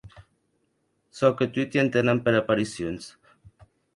Çò que toti entenen per aparicions.